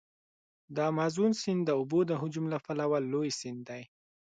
د امازون سیند د اوبو د حجم له پلوه لوی سیند دی.